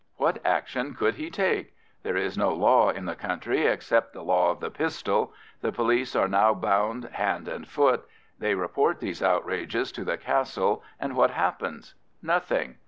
What action could he take? There is no law in the country except the law of the pistol. The police are now bound hand and foot. They report these outrages to the Castle, and what happens? Nothing.